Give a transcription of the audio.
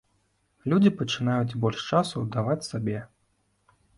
Людзі пачынаюць больш часу аддаваць сабе.